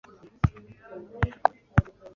Z’imihindagurikire y’ikirere muri